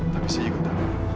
tapi saya juga tahu